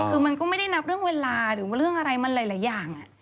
คือมันก็ไม่ได้นับเรื่องเวลาหรือว่าเรื่องอะไรมันหลายอย่าง